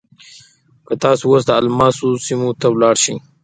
که تاسو اوس د الماسو سیمې ته لاړ شئ.